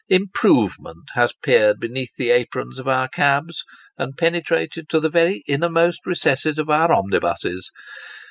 Improvement has peered beneath the aprons of our cabs, and penetrated to the very innermost recesses of our omnibuses.